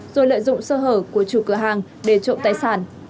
rồi lợi dụng sơ hở của chủ cửa hàng để trộm tài sản